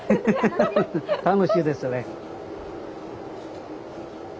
楽しいですね。